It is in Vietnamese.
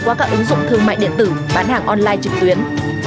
qua các ứng dụng thương mại điện tử bán hàng online trực tuyến